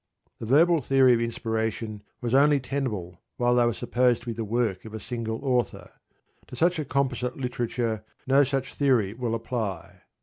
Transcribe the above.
The verbal theory of inspiration was only tenable while they were supposed to be the work of a single author. To such a composite literature no such theory will apply.